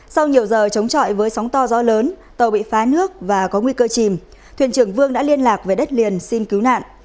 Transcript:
sau nhiều giờ chống trọi với sóng to gió lớn tàu bị phá nước và có nguy cơ chìm thuyền trưởng vương đã liên lạc về đất liền xin cứu nạn